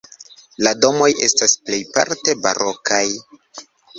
La domoj estas plejparte barokaj.